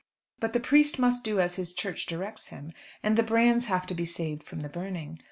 But the priest must do as his Church directs him, and the brands have to be saved from the burning.